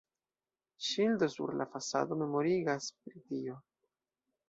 Ŝildo sur la fasado memorigas pri tio.